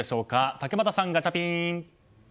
竹俣さん、ガチャピン。